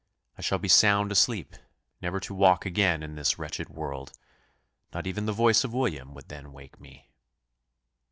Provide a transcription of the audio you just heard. I shall be sound asleep, never to wake again in this wretched world not even the voice of William would then awake me."